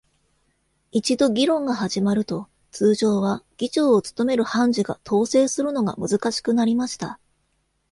一度議論が始まると、通常は、議長を務める判事が統制するのが難しくなりました。